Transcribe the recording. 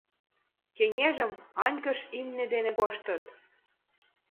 Кеҥежым аньыкыш имне дене коштыт.